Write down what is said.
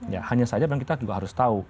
ya hanya saja memang kita juga harus tahu